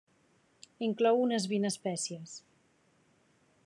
Inclou unes vint espècies.